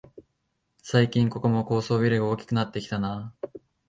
最近ここも高層ビルが多くなってきたなあ